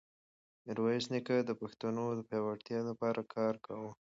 میرویس نیکه د پښتنو د پیاوړتیا لپاره کار کاوه.